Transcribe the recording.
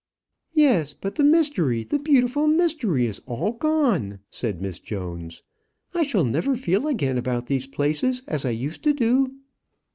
"Yes; but the mystery, the beautiful mystery, is all gone," said Miss Jones. "I shall never feel again about these places as I used to do."